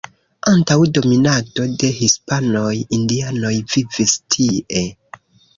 Antaŭ dominado de hispanoj indianoj vivis tie.